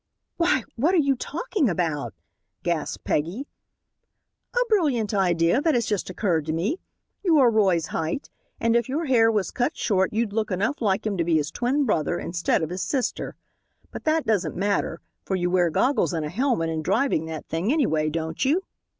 "Why, what are you talking about?" gasped Peggy. "A brilliant idea that has just occurred to me. You are about Roy's height, and if your hair was cut short you'd look enough like him to be his twin brother instead of his sister. But that doesn't matter, for you wear goggles and a helmet in driving that thing, anyway, don't you?"